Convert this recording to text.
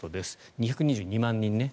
２２２万人ね。